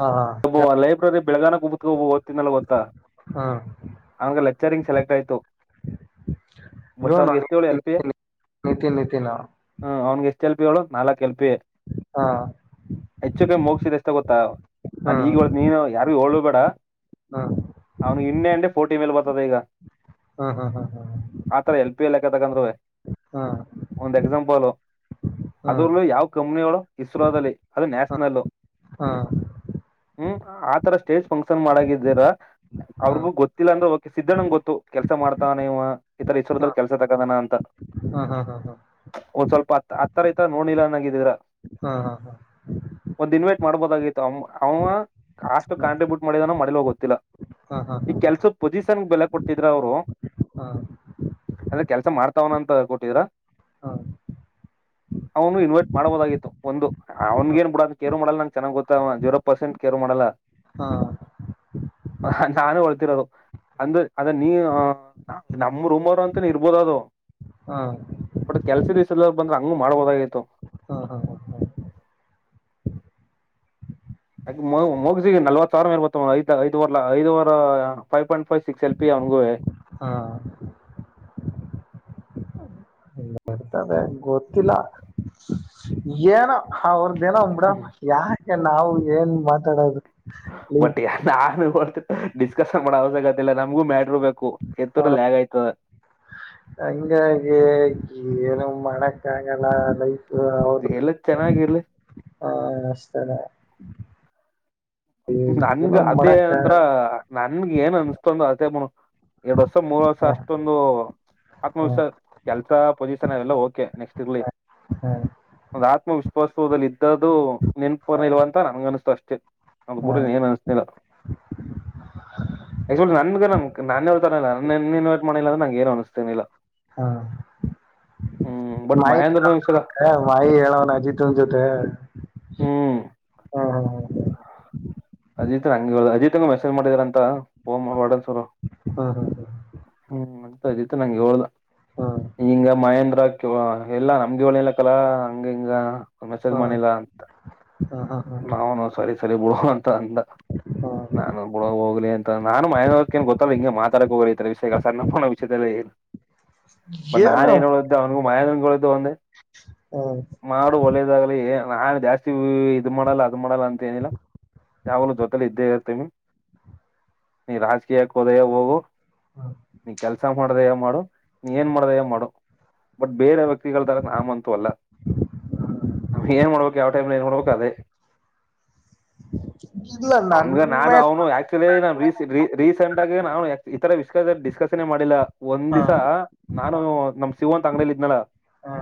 ಹಾ ಹಾ ಗ್ರಂಥಾಲಯದಲ್ಲಿ ಅಧ್ಯಯನ ಹ್ಮ್ ಮಾಡುತ್ತಾ ಉಪನ್ಯಾಸ ನೀಡುತ್ತಾ ಇವನು ನಿತಿನ್ ಅವನಿಗೆ ನಿತಿನ್ ಆಯ್ಕೆಯಾದ ನಿತಿನ್ ಹ. ಅವಳ ನಲ್ ಗೆ ಹಾ ನಿಮಗೆ ಎಷ್ಟು ಗೊತ್ತು? ಹ್ಮ್ ಯಾರಿಗಾಗಿ ಹ್ಮ್ ಅದು ಅಗತ್ಯವಿಲ್ಲ. [unintelligible] [unintelligible] ಹ್ಮ್ ಹ್ಮ್ ಒಂದು ಹ್ಮ್ ಉದಾಹರಣೆಯಂತೆ, ಆ ಕಂಪನಿ ಹ್ಮ್ ಯಾವ ಕಂಪನಿಗೆ ಹ್ಮ್ ಹ್ಮ್ ಹ್ಮ್ ಸೇರಿದೆ? ಹ್ಮ್ ಹಾ ಅವರಿಗೆ ಗೊತ್ತಿಲ್ಲದಿದ್ದರೆ ಅವರಿಗೂ ಗೊತ್ತು ಹೌದು ಸ್ವಲ್ಪ ಪಡೆಯಲು ಈ ಕೆಲಸ ಇಷ್ಟ. ಹ್ಮ್ ಯಾಸೀನ್ ಹ್ಮ್ ಹ್ಮ್ ಆದರೆ ನೀನು ಕಾಣದ ಹಾಗೆ ಅಲ್ಲಿದ್ದೀಯಾ ಹಾಹಾ ಅದನ್ನು ಮಾಡಬಹುದು ಹೇಗೆ ಹಾಸ್ಟೆಲ್ ಬುಕ್ ಮಾಡಿದ್ದೀರೋ ಇಲ್ಲವೋ ಗೊತ್ತಿಲ್ಲ. ಗೊತ್ತಿಲ್ಲ ಹ್ಮ್ ಕೆಲಸ ಅಲ್ಲಿ ಕೊಟ್ಟರು ಹಾಹಾ ಅವನು ಕೆಲಸ ಮಾಡುತ್ತಿದ್ದಾನೆಂದು ನೀನು ಭಾವಿಸುತ್ತೀಯಾ? ಹಾ ಅವನಿಗೂ ಆಹ್ವಾನ ಅವನನ್ನು ಬಿಟ್ಟುಬಿಡಿ ನನಗೆ ಅವನ ಬಗ್ಗೆ ಕಾಳಜಿ ಇಲ್ಲ. ಇಲ್ಲ, ಸರಿ. ಕೇರ್ ನಾಟ್ ಕೇರ್ ಮಾಡಲಾ ಹಾಹಾ ನನಗೆ ನಮ್ಮ ಮನೆ ಮಾತ್ರ ಗೊತ್ತು. ಹಾ ಹಾ ಹಾ ಹಾ ಹಾ ಹಾ ಹಾ ಕೆಲಸ ನಾವು ಕೂಡ ಹಾಗೆ ಮಾಡಬಹುದು. ಹ್ ಹ್ ಹ್ ಹ್ ಹ್ ಆಕೀ ಮು ಮುಗಿಸಿ ನಲವತ್ತಾರ್ ಮೇಲ್ ಬರ್ತ ಆಯ್ದು ಐದ ಅವರ್ ಐದ ಅವರ್ ಫಾಯಿ ಫಾಂಟ್ ಫಾಯ್ ಸಿಕ್ಸ್ ಎಲ್ಪಿ ಅವನುಗುವೆ ಹಾ ಗೋಥಿಲ್ಲಾ ಎನೋ ಅವರ್ ಎನೋ ಒಂದ್ ಬಿಡಪ್ಪ ಯಾಕ್. ಅದ್ಕೆ ನಾವು ಎನ್ ಮಾತಾಡೋದು. ಲೈಫ್ ಬಟ್ ಯಾ ನಾನು ವರ್ತ್. ಚರ್ಚೆ ಮಾಡೋ ಅವಶ್ಯಕಥ ಇಲ್ಲಾ ನಮ್ಗೂ ಮ ಬೇಕು ಎಥುರ್ ಲಾಗ್ ಆಯ್ತಾದೆ ನನ್ಗಗಿ ಎನು ಮಾಡಕ್ಕ್ ಆಗಲ್ಲ ಲಿ ಅ ಅವೃದಕ್ ಎಲ್ಲ ಚೆನ್ನಾಗಿರ್ಲಿ ಆ ಅಷ್ಟೇ ಲಾ ಹ್ಮ್ ನಂಗ್ ಅದೇ ಮಾಡಕ ಆಂಧ್ರ್ ನಂಗ್. ಎನ್ ಅನುಷ್ಠುಂಧೋ ಅಧೇ ಮುನಕ್ ಎರಡ್ ವರ್ಷ ಮೂರ್ ವರ್ಷ ಹ ಅಸ್ಟೊಂದು ಆತ್ಮ ಹ ವಿಶ್ವ ಕೆಲ್ಸಾ ಪೋಜಿಶನ ಅವೆಲ್ಲಾ ಓಕೆ ನೆಸ್ಟ್ ಇರ್ಲಿ ಹ ಹ ಒಂದು ಆತ್ಮ ವಿಶ್ ಕದು ನೆನಪು ಹ ಇಲ್ವಾ ಅಂತ ನನಗು ಅನುಸ್ತು ಅಷ್ಟೇ. ತೆ ಹ ಒಬ್ಬೂರು ಎನು ಅನುಷ್ಠಾ ಇಲ್ಲಾ ನಿಜವಾಗಲೂ ನಾನ್ ನಾನ್ ನಾನೆ ಇತರ ಎಲ್ಲಾ ನೀನ್ ನೀನ್ ವೋಟ್ ಮಾಡಿಲ್ಲ ಅಂದ್ರ ನಂಗೇನು ಅನಸ್ತಾನೆ ಇಲ್ಲಾ ಆ ಹ್ಮ್ ಬಟ್ ಮಹೇಂದ್ರನ ವಿಷಯ ವಾಯ್ ಎಲೋವಾನು ಅಜ್ಜಿ ಟೂನೆ ಜೊತೆ ಹ್ಮ್ ಆ ಹ್ ಹ್ ಹ್ ಅಜಿತ್ ಅಂಗಲ್ಲಾ ಅಜಿತ್ ಗೆ ಮೆಸೇಜ್ ಮಾಡಿದಾರಂತ ವಾರ್ಡನ್ ಸರ್ ಆಹಾ ಆ ಆ ತದಿತು ನಂಗೆ ಹೊಡದಾ. ನಿಂಗಾ ಮಾಯಾಂಡ ಕಿವ ಎಲ್ಲಾ ನಮ್ದೇ ಓಣಿ ಅಲ್ಲಿ ಕಲಾ ಹಂಗಾ ಹಿಂಗಾ ಮೆಸೇಜ್ ಹಾ ಮಾಡಿಲ್ಲ ಅಂತ ಹಾ ಹಾ ಹಾ ಹಾ ನಾವೂನೂ ಸಾರಿ ಸಾರಿ ಓ ಥಾ ಅಂಧಾ ಹಾ ಹಾ ನಾನು ಓಗ್ಲಿ ಅಂತ ನಾನು ಮಹೇಂದ್ರ ಅವಕೆನ್ ಗೊತ್ತಲ್ಲಾ ಹಿಂಗೆ ಮಾತ್ ಆಡಕ ಹೋಗಲ್ ಇತರ ವಿಷ್ಯಗಳ ಸಣ್ಣು ಪನ್ನು ವಿಷ್ಯಗಲೀಗ್ ಆದರೆ ಏನು ನಾನೇನೋ ಒಧ್ಹಾ ಅವ್ಂಗು ನಯಂಗು ಓದು ಒಂದೆ ಹ, ಮಾಡು ಒಲ್ಲೇದಾಗಲಿ ಏಯ್ ನಾನು ಜಾಸ್ತಿ ಇದು ಮಾಡಲ್ಲ ಅದು ಮಾಡಲ್ಲ ಅಂತ ಎನು ಇಲ್ಲಾ ಯಾವನು ಜೊತೆಯಲ್ಲಿ ಇದ್ದೆ ಇರ್ತಿನಿ ನೀ ರಾಜಕೀಯಕ್ಕೆ ಒದೆ ಓಗು ಹ. ನೀ ಕೆಲ್ಸ ಮಾಡೋದಾದ್ರೆ ಮಾಡು ನೀ ಏನ್ ಮಾಡೋದು ಏನ್ ಮಾಡು. ಬಟ್ ಬೇರೆ ವ್ಯಕ್ತಿಗಳ್ ತರಕ್ ನಾವಂತೂ ಅಲ್ಲ. ನಾವೇನು ಮಾಡ್ಬೇಕು ಯಾವ್ ಟೈಮಲ್ಲಿ ಮಾಡ್ಬೇಕು ಅದೆ. ಇಲ್ಲ ನನ್ ಅವ್ನಿಗೆ ನಾನು ಮೇಲೆ ಅವ್ನು ಆಕ್ಚ್ಯುಲ್ಲಿ ನಾವ್ ರೀ ರೀ ರೀಸೆಂಟ್ ಆಗಿ ನಾವು ಇತರೆ ತ್ತದೇ ಡಿಸ್ಕಷನ್ನೇ ಮಾಡಿಲ್ಲ ಹ ಒಂದಿವ್ಸ ನಾನು ಹ ನಮ್ ಶಿವು ಅಂತ ಅಂಗಡೀಲಿ ಇದ್ನಲ್ಲಾ ಹ,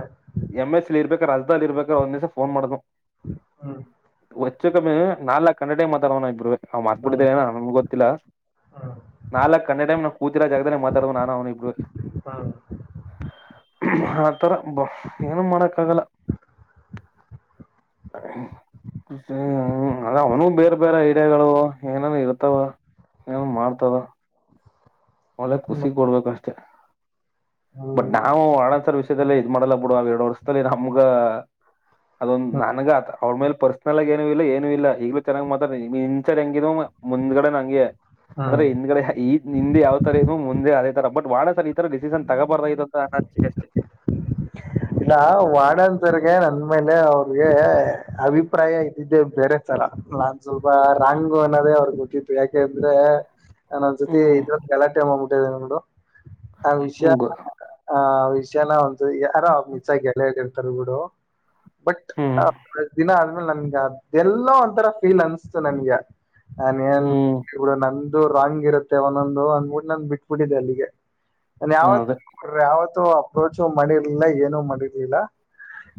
ಎಂ ಎಸ್ ಲೀ ಇರ್ಬೇಕರಾ ಅ ದಲ್ಲಿರ್ಬೇಕಾದ್ರೆ ಒಂದಿವ್ಸ ಫೋನ್ ಮಾಡ್ಬೇ ಹ್ಮ್ ಒತ್ ಚುಕಮ್ಮಿ ನಾಲಕ್ ಕನ್ನಡೇ ಮಾತಾಡೋಣ ಇಬ್ರೂವೆ. ಆವ್ ಹ್ಮ್ ಮರೆತುಬಿಟ್ಟಿದ್ದೇ ನನಗೂ ಗೊತ್ತಿಲ್ಲ. ಹ್ಮ್ ನಾಲಕ್ ಕನ್ನಡೆಮ್ ಕುಂತಿರೋ ಜಾಗದಲ್ಲೇ ಮಾತಾಡಿದೀವಿ ನಾನು ಅವ್ನು ಇಬ್ರೂವೆ. ಹ್ಞಾಂ ಸರಂಬು ಏನು ಮಾಡಕಾಗಲ್ಲ. ಹಾ ಹೂ. ಹ್ಞೂ ಅದ ಅವ್ನು ಬೇರೆ ಬೇರೆ ಏರಿಯಾಗಳು ಏನರ ಇರ್ತವ. ಏನರ ಮಾಡ್ತಾವ. ಒಳ್ಳೇ ಹ್ಮ್ ಖುಷಿ ಕೊಡ್ಬೇಕು ಅಷ್ಟೇ. ಬಟ್ ಹ್ಮ್ ನಾವು ಹಣ ಸರ್ವಿಸ್ ಇದರಲ್ಲಿ ಇದ ಮಾಡಲ್ಲ ಬುಡು ಅವೆರಡು ವರ್ಷದಲ್ಲಿ ನಮ್ಗ ಅದೊಂದು ಹ್ಮ್ ನನಗ ಅವ್ರ ಮೇಲೆ ಪರ್ಸನಲ್ಲಾಗಿ ಏನು ಇಲ್ಲ. ಏನು ಇಲ್ಲ. ಈಗ್ಬೇಕಾದ್ರೆ ಹೆಂಗ್ ಮಾತಾಡ್ತಿನೋ ಇನ್ಸೈಡ್ ಹೆಂಗಿದೀವೋ ಮುಂದುಗಡೆ ನೂ ಹಂಗೆ. ಆದ್ರೆ ಹ್ಮ್ ಹಿಂದಗಡೆ ಈ ಹಿಂದೆ ಯಾವ ಕಡೆಗೂ ಮುಂದೆ ಅದೇ ತ ಬಟ್ ವಾರ್ಡನ್ ಸರ್ ಈ ತರ ಡಿಸಿಷನ್ ತಗೊಬಾರದಾಗಿತ್ತು ಅಂತ ಅನ ಅಷ್ಟಕಷ್ಟೆ. ನಾ ವಾರ್ಡನ್ ಸರ್ ಗೆ ನನ್ಮೇಲೆ ಅವ್ರಿಗೆ.. ಅಭಿಪ್ರಾಯ ಇದ್ದಿದ್ದೇ ಬೇರೇ ತರ. ನಾನ್ ಸ್ವಲ್ಪ ರಾಂಗ್ ಅನ್ನೋದು ಅವ್ರಿಗೆ ಗೊತ್ತಿತ್. ಯಾಕೆ ಅಂದ್ರೇ, ನಾನ್ ಒಂದ್ಸತಿ ಹ್ಮ್ ಇನ್ನೊಂದ್ ಗಲಾಟೆ ಮಾಡ್ಬಿ ಲೇರೆಡು ಆ ವಿಷ್ಯ... ಹ್ಮ್ ಗೊ- ಆ [unintelligible] ಶಲಾನ್ ದು ಯಾರೋ ಮಿಸ್ ಆಗಿ ಎಲೆ ಎಡ್ ಸರಿ ಬಿಡು. ಬಟ್ ಹ್ಮ್ ಆ ದಿನಾ ಆದ್ಮೇಲೆ ಅದೆಲ್ಲಾ ಒಂಥರಾ ಫೀಲ್ ಅನಿಸ್ತು ನಂಗೆ. ನಾನೇನ್ ಹ್ಮ್ ಇವಳ್ ನನ್ ದು ರಾಂಗ್ ಇರತ್ತೆ ಒಂದೊಂದು ಅದ್ನೋಡಿ ನಾನ್ ಬಿಟ್ಬಿಟ್ಟಿದ್ದೆ ಅಲ್ಲಿಗೆ. ಅದೇ [unintelligible] [unintelligible] [unintelligible] ಮಾಡಿರಲಿಲ್ಲ ಏನೂ ಮಾಡಿರಲಿಲ್ಲ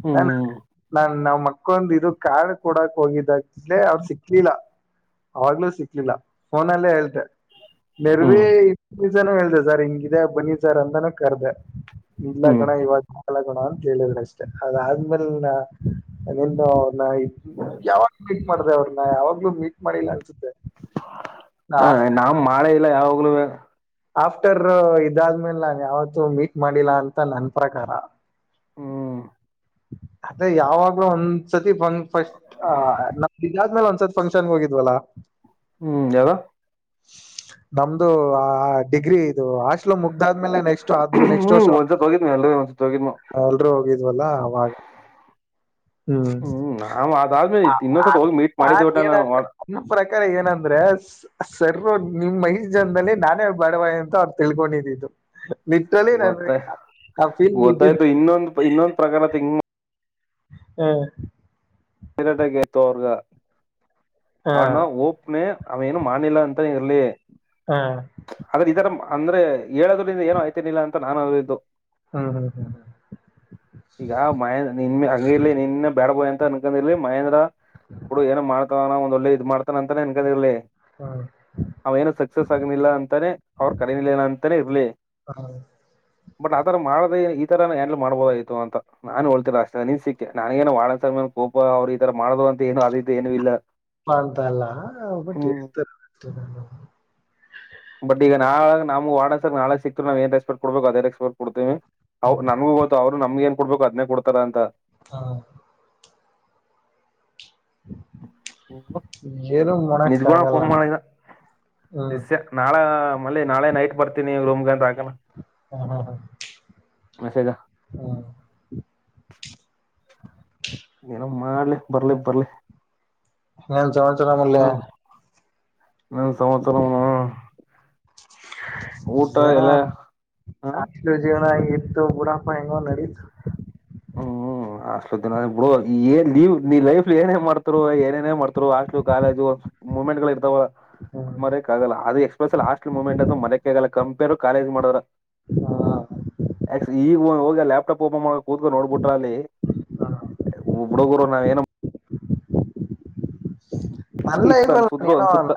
ಹ್ಮ್ [unintelligible] ಇದಕೊಂದ್ದು ಇದು ಕಾರ್ಡ್ ಕೊಡಕ್ಕೆ ಹೋಗಿದ್ದೆ [unintelligible] ಇಲ್ಲ ಫೋನ್ನಲ್ಲೆ ಹೇಳ್ದೆ ನೆರೆವಿ ಹ್ಮ್ ಪ್ರತಿಸಲ ಹೇಳ್ದೆ ಸರ್ ಹಿಂಗ್ ಇದೆ ಬನ್ನಿ ಸರ್ ಅಂತಾನೂ ಕರದೇ ಇಲ್ಲ ಹ್ಮ್ ಕಣ್ಣಯ್ಯ ಇವತ್ತ ನಾಳೆ ಬೇಡ ಅಂತ ಹೇಳಿದ್ರ ಅಷ್ಟೇ ಅದ ಆದ ಮೇಲೆ ನಾ [unintelligible] ಯಾವಾಗ ಮೀಟ್ ಮಾಡಿದ್ದೆ ಅವರನ್ನ ಯಾವಾಗ ಈಗಲೂ ಮೀಟ್ ಮಾಡಿಲ್ಲ ಅನಸುತ್ತೆ ಆ ನಾವ್ ಮಾಡೇ ಇಲ್ಲ ಯಾವವು [unintelligible] ಆಫ್ಟರ್ ಇದ ಆದ ಮೇಲೆ ನಾನ ಯಾವತ್ತೂ ಮೀಟ್ ಮಾಡಿಲ್ಲ ಅಂತ ನನ್ನ ಪ್ರಕಾರ ಹೂ ಅದೇ ಯಾವಾಗಲೂ ಒಂದ್ ಸತಿ [unintelligible] ಇದಾದ ಮೇಲೆ ಒಂದ್ ಸತಿ ಫಂಕ್ಷನ್ ಹೋಗಿದ್ವಿವಲ್ಲ ಹೂ ಹೇಳು ನಂದು ಆ ಡಿಗ್ರಿ ಇದು ಹಾಸ್ಟೆಲ್ ಮುಗದಾದ ಮೇಲೆ ನೆಕ್ಸ್ಟ್ ಅದ್ರ ನೆಕ್ಸ್ಟ್ ವರ್ಷ ಹ್ಮ್ ಒಂದ್ಸತ್ [unintelligible] ಹೋಗಿದ್ನು ಎಲ್ಲರೂ ಒಂದ್ಸತ್ ಹೋಗಿದ್ನು ಎಲ್ಲರೂ ಹೋಗಿದ್ವಿವಲ್ಲ ಅವಾಗ ಹೂ ಹ್ಮ್ ನಾವ್ ಅದಾದ್ಮೇಲೆ ಇನ್ನೊಂದ್ಸತ್ ಹೋಗಿ ಮೀಟ್ ಮಾಡಿದ್ದೆ ಒಟ್ಟ [unintelligible] ನಾನು ನನ್ನ ಪ್ರಕಾರ ಏನಂದ್ರೆ [unintelligible] ನಿಮ್ಮ ಐದ ಜನದಲ್ಲಿ ನಾನೇ [unintelligible] ಎಂತ ಅದು ತಿಳ್ಕೊಂಡಿದಿದ್ದು ಗೊತ್ತೇ ಬಿದ್ದೀನಿ ಗೊತ್ತಾಯಿತು ಇನ್ನೊಂದ ಇನ್ನೊಂದ ಪ್ರಕರಣ [unintelligible] [unintelligible] [unintelligible] ಮನ ಹೋಪನೆ ಅವ ಏನು ಮಾಡಿಲ್ಲ ಅಂತ ಇರಲಿ ಹಾ ಅಂದ್ರೆ ಹೇಳದರಿಂದ ಏನು ಆಯ್ತಾಇರಲಿಲ್ಲ ನಾನು ಅದು ಇದು ಹ್ಮ್ ಹ್ಮ್ ಹ್ಮ್ ಹ್ಮ್ ಈಗ [unintelligible] ಬ್ಯಾಡ ಬಾಯ್ ಅಂತ [unintelligible] ಏನ ಇರಲಿ ಮಹೇಂದ್ರ ಬೀಡು ಏನು [unintelligible] [unintelligible] [unintelligible] ಇದು ಮಾಡತನ ಅಂತ ಅನ್ಕದಿರಲಿ ಹ್ಮ್ ಅವ ಏನ ಸಕ್ಸಸ್ಸ್ ಆಗಿರಲಿಲ್ಲ ಅಂತಾನೆ ಅವರ ಕರಿಲಿಲ್ಲ ಅಂತಾನೆ ಇರಲಿ ಹ್ಮ್ ಬಟ್ ಆ ತರ ಮಾಡದೇ ಇ ತರ ಹ್ಯಾಂಡಲ್ ಮಾಡಬಹುದಾಗಿತ್ತು ಅಂತ ನಾನು ಹೇಳತಿಲ್ಲ ಅಷ್ಟೇ ನಿನ ಸಿಕ್ಕೇ ನನಗೇನು [unintelligible] ಕೋಪ ಅವ್ರು ಇ ತರ ಮಾಡಲು ಏನು ಆ ರೀತಿ ಏನು ಇಲ್ಲ ಅಂತಲ್ಲ ಒಬ್ಬ ಹ್ಮ್ [unintelligible] [unintelligible] ವಾರ್ಡನ್ ಸರ್ ನಾಳೆ ಸಿಕ್ಕುದ್ರು ಏನ್ ರೆಸ್ಪೆಕ್ಟ್ ಕೊಡಬೇಕು ಅದೇ ರೆಸ್ಪೆಕ್ಟ್ ಕೊಡ್ತೀವಿ ಹ್ಮ್ [inaudible] ನಂಗೂ ಗೊತ್ತು ಅವರು ನಮಗೇನ್ ಕೊಡಬೇಕು ಅದ್ನೇ ಕೊಡ್ತಾರಂತ [unintelligible] [unintelligible] ಹ್ಮ್ ಏನು [inaudible] ನಿಜಗುಣ ಮಾಡಕ್ಕಾಗಲ್ಲ ಫೋನ್ ಮಾಡಿದ ಹ್ಮ್ [unintelligible] ನಾಳ ಮಲ್ಲಿ ನಾಳೆ ನೈಟ್ ಬರ್ತೀನಿ ರೂಮ್ಗೆ ಅಂತ ಹಾಕನ ಮೆಸೇಜ [unintelligible] ಏನೋ ಮಾಡ್ಲಿ ಬರ್ಲಿ ಬರ್ಲಿ ಏನ್ ಸಮಾಚಾರ ಮಲ್ಲಿ [unintelligible] ಊಟ ಜ್ವರ ಎಲ್ಲ ಹ ಆಯ್ತು ಬಿಡಪ್ಪ ಹೆಂಗೋ ನೆಡಿತು [unintelligible] ಲೈಫಲ್ಲಿ ಏನೇ ಮಾಡ್ತಾ ರುವ ಏನೇನೀ ಮಾಡುತ್ತಿರುವ ಬ್ರೋ ಹಾಸ್ ಲೂಟ ಆಗದು [unintelligible] ಬ್ರೋ ಮರ್ಯಕೆ ಆಗಲ್ಲ ಅದು ಎಸ್ಪೆಸ್ಸಲ್ಲಿ ಹಾಸ್ ಮೊಮೆಂಟ್ ಅಂತೂ ಮರೆಯಕ್ಕೆ ಆಗಲ್ಲ [unintelligible] [unintelligible] [inaudible] ಲ್ಯಾಪ್ಟಾಪ್ ಓಪನ್ ಕೂತ್ಕ ನೋಡ್ಬಿಟ್ರ ಅಲ್ಲಿ [inaudible] ಬಿಡುಗುರು ನಾವೇನ್ ನನ್ನ ಇಷ್ಟ ಲೈಫ್ ಅಲ್ಲಿ ಅನ್ಸುದ್ರು ಏನೋ ಅನ್ಸುತ್ತ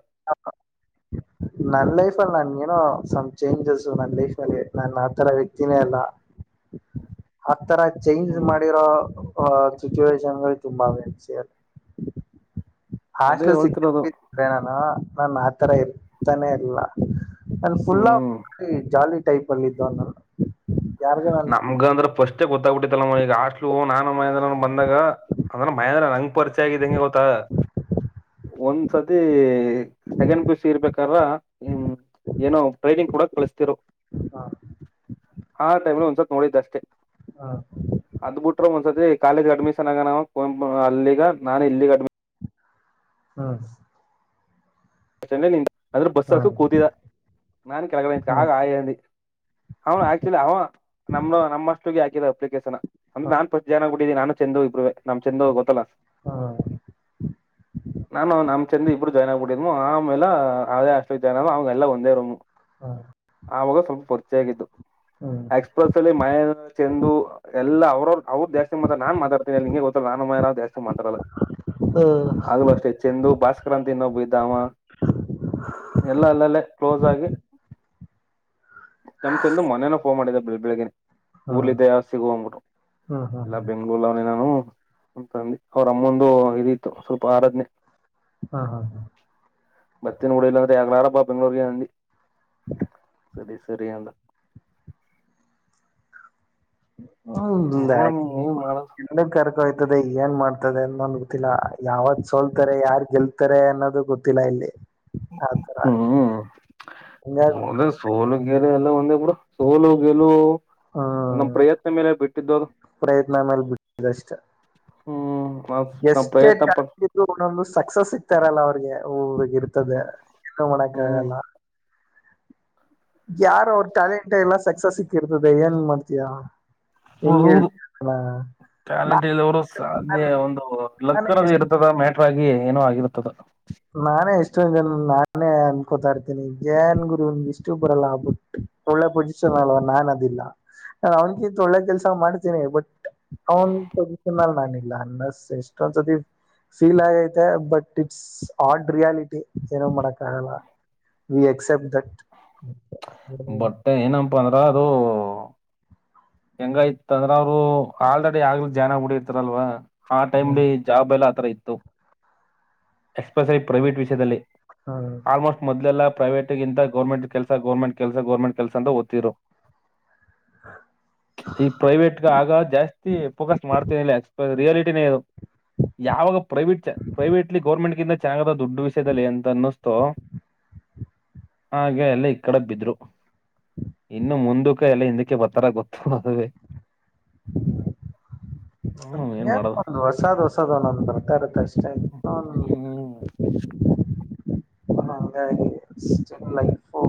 ನನ್ ಲೈಫ್ ಅಲ್ಲಿ ನಾನೇನು ಸಂ ಚೇಂಜಸ್ ನನ್ ಲೈಫಲ್ಲಿ ನಾನು ಆತರ ವ್ಯಕ್ತಿನೇ ಅಲ್ಲ ಆತರ ಚೇಂಜ್ ಹ್ಮ್ ಮಾಡಿರೋ ಹೂ ಸಿಚುವೇಶನ್ ಗಳು ತುಂಬಾ ಅವೆ ಅದೇ ಹಾಸ್ಟೆಲ್ ಹೇಳ್ತಿರೋದು ಸಿಕ್ಕಿದ್ರೆ ನಾನು ನಾನು ಆತರ ಇರುತಾನೆ ಇರ್ಲಿಲ್ಲ ನಾನು ಫುಲ್ ಹ್ಮ್ [inaudible] ಜಾಲಿ ಟೈಪ್ಅಲ್ಲಿದ್ದೋನಾನು ನಮಗಂದ್ರೆ ಅಷ್ಟೇ ಗೊತ್ತಾಗಿಬಿಟ್ಟಿತ್ತು [inaudible] ಹಾಸ್ಟೆಲ್ ನಾನು ಮಹೇಂದ್ರನು ಬಂದಾಗ ಅಂದ್ರ ಮಹೇಂದ್ರ ನಂಗೆ ಪರಿಚಯ ಆಗಿದ್ದಂಗೆ ಗೊತ್ತಾ ಒಂದ್ ಸತಿ ಸೆಕೆಂಡ್ ಪಿಯುಸಿ ಇರಬೇಕಾದರಾ ಏನೋ ಟ್ರೈನಿಂಗ್ ಕೊಡುಗೆ ಕಳಿಸ್ತಿದ್ರು ಹಾ [inaudible] [unintelligible] ನೋಡಿದ್ ಅಸ್ಟೆ ಅಧು ಬಿಟ್ರೆ ಅಧೇ ಕಾಲೇಜು ಪ್ರವೇಶ ಆಗಾನ ಅಂತ ನಾನ್ ಈಗ ಆಹ್ [unintelligible] ಬಸ್ ಅಥೋಸ್ಟ್ರಾಲ್ಲಿ ಹ್ಮ್ ಕುತ್ತಿದ ನನ್ ಹ್ಮ್ ಆಹ್ ನಿಜವಾಗಿ ಆಹ್ ನಮ್ ನಮಸ್ತುಗೇ ಆಕಿರೋದು ನಾನ್ ಫ್ರಸ್ಟ್ ಸೇರ್ಬಿಟ್ತೀನಿ ನಾನು ಚಂದು ಎಭ್ರು ವೇ ನಮ್ ಚಂದು ಗೊತ್ತಲ್ವಾ ಹ್ಮ್ ನಾನು ನಾಮ್ ಚಂದು ಎಭ್ರು ಸೇರಿ ಆಗ್ಬಿಟ್ಟಿದ್ದೀವಿ ಆಹ್ ಅಮೇಲಾ ಯೆಲ್ಲಾ ಒಂದೆ ರೂ ಆಹ್ ಅವಘ್ ಸುಮ್ನ್ ಪರ್ಚಯಾ ಆಗಿದು ಎಕ್ಸ್‌ಪ್ರೆಸ್ ಅಲ್ಲಿ ಮಾಯಾ ಚಂದು ಅವ್ರ್ ಜಾಸ್ತಿ ಮಾತಾಡ್ತಾರೆ ನಾನ್ ಮಾತಾಡಲ್ಲ ನಿಂಗೆ ಗೊತ್ತಲ್ಲ ನಾನ್ ಹ ಮಾತಾಡಲ್ಲಚಂದು ಬಾಸ್ಕರ ಅಂತ ಏನೊಭ ಎಧ ಯೆಲ್ಲಾ ಅಲ್ಲಲ್ಲೆ ಕ್ಲೋಸ್ ಅಗಿ ನಮ್ ಚಂದು ಮೊನ್ನೆ ನು ಫೋನ್ ಮಾಡಿದಂತೆ ಬೆಳಗೆ ಹಾ ಊರಲ್ಲಿಗ್ರೆ ಸಿಗು ಅಂಬಿಟ್ಟು ಹ್ಮ್ ಹ್ಮ್ ಎಲ್ಲ ಹ್ಮ್ ಬೆಂಗಳೂರಲ್ಲಿ ಎದಿನಿ ನಾನು ಅವ್ರ್ ಅಮಂಧು ಸ್ವಲ್ಪ ರಾಧನೆ ಹಾ ಹಾ ಬರ್ತೀನಿ ಬಿಡು ಇಲ್ಲಾಂದ್ರೆ ನಾಡದ ಬಾ ಬೆಂಗಳೂರು ಗೆ ಅಂಧಿ [inaudible] ಸರಿ ಸರಿ [inaudible] ಹ್ಮ್ಮ್ ನೋಡ ಏನ್ ಮಾಡದು ಯೇನ್ ಮಾಡ್ತಾರೆ ಗೊತ್ತಿಲ್ಲ ಯಾರ್ ಸೋಲ್ತಾರೆ ಯಾರ್ ಗೆಲ್ತಾರೆ ಅನ್ನೋದು ಗೊತ್ತಿಲ್ಲ ಎಲ್ಲಿ ಹ್ಮ್ಮ್ ಹಿಂಗಾಗಿ ಯೆಲ್ವುನ್ ಒಂದೆ ಬಿಡು ಸೋಲು ಗೆಲುವು ನಮ್ ಹ್ಮ್ ಪ್ರಯತ್ನ ಮೆಲ್ಲೆ ಬಿಟ್ಟಿದು ಪ್ರಯತ್ನ ಮೇಲೆ ಯೆಸ್ಟೆ ಟ್ಯಾಲೆಂಟ್ ಎಧ್ರು ಸಕ್ಸಸ್ ಸಿಕ್ತರೆ ಅಲ್ವಾ ಅವ್ರ್ಗೆ ಇರುತ್ತದೆ ನಾವು ಏನು ಹ್ಮ್ ಮಾಡಕ್ಕಾಗಲ್ಲ. ಯಾರೋ ಪ್ರತಿಭೆ ಎಲ್ಲ ಯಶಸ್ಸು ಸಿಕೀರ್ತದೆ ಯೇನ್ ಮಾಡ್ತಿಯಾ ಹೌದು ಟ್ಯಾಲೆಂಟ್ ಎಲ್ದಾವ್ರು ಸಾದ್ನೆಲಕ್ ನಾನೇ ಅನ್ನೋದು ಎಷ್ಟು ಎರ್ತಾದೆ ಮ್ಯಾಟರ್ ಆಗೀ ಈವತ ಅದು ನಾನೇ ನಾನೇ ಅನ್ಕೋತೀನಿ ಯೇನ್ ಗುರು ಎಸ್ಟು ಬರಲ್ಲ ಒಳ್ಳೆ ಪೊಜಿಶನ್ ಅಲ್ಲಿ ಎಲ್ಲ ನಾನ್ ಅವ್ನ್ ಗಿಂತು ಒಳ್ಳೆ ಕೆಲ್ಸ ಮಾಡ್ತೀನಿ ಆದ್ರೆ ಅವ್ನ್ ಪೊಸಿಷನ್ ಅಲ್ಲಿ ನನ್ ಎಲ್ಲಾ ಯೆಸ್ತೊಂದ್ ಸಲ ಫೀಲ್ ಆಗಿದೇ ಆದರೆ ಹಾರ್ಡ್ ರಿಯಾಲಿಟಿ ಚೆನ್ನಾಗಿ ಮಾಡಕ್ಕಾಗಲ್ಲ ಈ ಎಕ್ಸೆಪ್ಟ್ ದಟ್ ಹ್ಮ್ ಬಟ್ ಏನಪ್ಪಾ ಅಂದ್ರೆ ಹಾಂ ಅದು ಹೆಂಗಾಯ್ತು ಅಂದ್ರೆ ಅದು ಆಲ್ರೆಡಿ ಜಾನಾ ಹೂ ಡಿರುತ್ತಾರಲ್ಲ ಆ ಹ್ಮ್ ಟೈಮಲ್ಲಿ ಜಾಬ್ ಅಲ್ಲ ಆತರ ಇತ್ತು ಎಸ್ಪ್ರೆಶಲಿ ಪ್ರವೇಟ್ ವಿಷಯದಲ್ಲಿ ಹ್ಮ್ ಆಲ್ಮೋಸ್ಟ್ ಮೊದಲೆಲ್ಲ ಪ್ರವೇಟಿಗಿಂತ ಗೋರ್ಮೆಂಟ್ ಕೆಲಸ ಅಂತ ಗೋರ್ಮೆಂಟ್ ಗೋರ್ಮೆಂಟ್ ಅಂತ ಓತ್ತಿದ್ರು [inaudible] ಆಗ ಜಾಸ್ತಿ ಫೋಕಸ್ ಮಾಡುತ್ತಿಲ್ಲ ರಿಯಾಲಿಟಿನೆ ಇದು ಯಾವುದು ಪ್ರೈವೇಟ್ ಗೋರ್ಮೆಂಟ್ ಗಿಂತ ಚೆನ್ನಾಗಿದೆ ದುಡ್ಡು ವಿಷಯದಲ್ಲಿ ಅಂತ ಅನಿಸಿತು ಹಾಗೆಲ್ಲ ಈ ಕಡೆ ಬಿದ್ರು ಇನ್ನು ಮುಂದಕ್ಕೆ ಎಲ್ಲರೂ ಹಿಂದಕ್ಕೆ ಬರ್ತಾರೆ ಇಂತ ಗೊತ್ತಿಲ್ಲ ತೊಡಿಸಿದ ಹ್ಮ್ ಏನ್ ಮಾಡೋದು ಹೊಸದು ಹೊಸದು ಒಂದು ಬರ್ತಾ ಇರುತ್ತೆ ಹ್ಮ್ ಹಂಗೆ ಆಗಿದೆ ಎಪ್ಪೋ